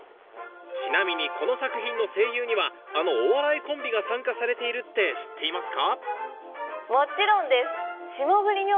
ちなみにこの作品の声優にはあのお笑いコンビが参加されているって知っていますか？